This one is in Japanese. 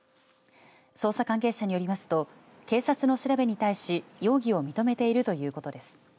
捜査関係者によりますと警察の調べに対し容疑を認めているということです。